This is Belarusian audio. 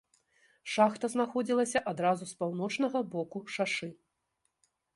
Шахта знаходзілася адразу з паўночнага боку шашы.